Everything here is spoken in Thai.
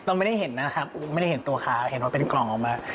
เราไม่ได้เห็นนะครับไม่ได้เห็นตัวเขาเห็นว่าเป็นกล่องออกมา